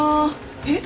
えっ？